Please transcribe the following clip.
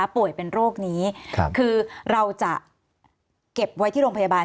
ป่วยเป็นโรคนี้คือเราจะเก็บไว้ที่โรงพยาบาล